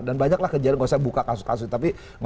dan banyak lah kejadian